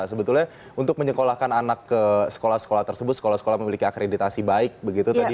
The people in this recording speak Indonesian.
sebetulnya untuk menyekolahkan anak ke sekolah sekolah tersebut sekolah sekolah memiliki akreditasi baik begitu tadi